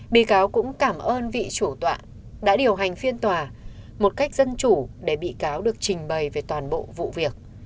bị cáo cũng cảm ơn vị chủ tọa đã điều hành phiên tòa một cách dân chủ để bị cáo được trình bày về toàn bộ vụ việc